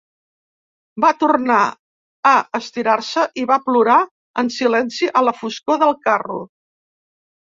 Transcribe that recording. Va tornar a estirar-se i va plorar en silenci a la foscor del carro.